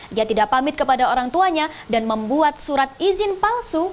dia tidak pamit kepada orang tuanya dan membuat surat izin palsu